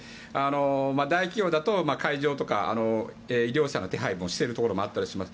大企業だと会場とか医療者の手配もしているところもあったりします。